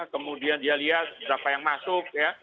kemudian dia lihat berapa yang masuk ya